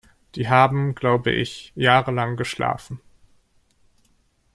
Die haben, glaube ich, jahrelang geschlafen.